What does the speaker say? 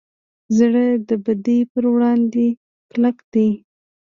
زړه د بدۍ پر وړاندې کلک دی.